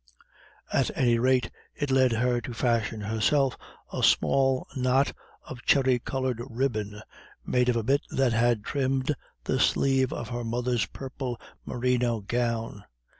At any rate, it led her to fashion herself a small knot of cherry coloured ribbon made of a bit that had trimmed the sleeve of her mother's purple merino gown.